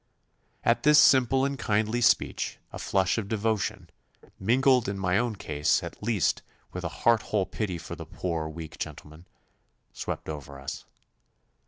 At this simple and kindly speech a flush of devotion, mingled in my own case at least with a heart whole pity for the poor, weak gentleman, swept over us.